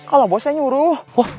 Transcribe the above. kalau bosnya nyuruh